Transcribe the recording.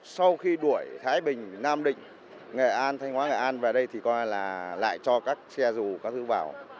sau khi đuổi thái bình nam định nghệ an thanh hóa nghệ an về đây thì coi là lại cho các xe dù các thứ bảo